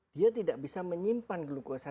dia tidak bisa menyimpan glukosa